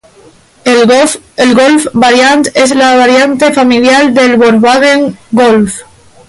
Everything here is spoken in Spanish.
El Golf Variant es la variante familiar del Volkswagen Golf.